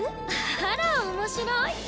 あら面白い。